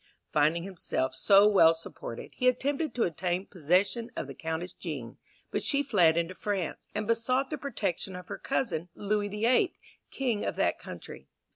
Finding himself so well supported, he attempted to obtain possession of the Countess Jean, but she fled into France, and besought the protection of her cousin, Louis the Eighth, king of that country.